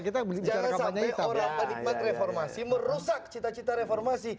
jangan sampai orang penikmat reformasi merusak cita cita reformasi